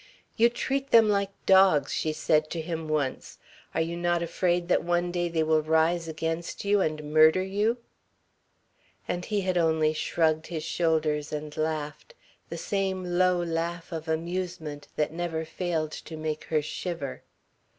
"You treat them like dogs," she said to him once. "Are you not afraid that one day they will rise against you and murder you?" And he had only shrugged his shoulders and laughed, the same low laugh of amusement that never failed to make her shiver.